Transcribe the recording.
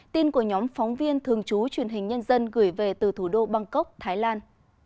tin của nhóm phóng viên thường trú truyền hình nhân dân gửi về từ thủ đô bangkok thái lan